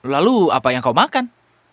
lalu apa yang kau makan